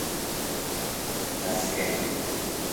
Мәскәй: